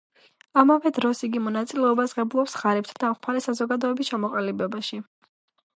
ამავე დროს იგი მონაწილეობას ღებულობს ღარიბთა დამხმარე საზოგადოების ჩამოყალიბებაში.